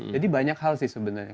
jadi banyak hal sih sebenarnya